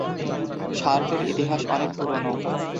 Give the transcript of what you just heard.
শার্টের ইতিহাস অনেক পুরোনো।